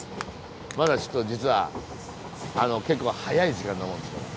まだちょっと実は結構早い時間なもんですから。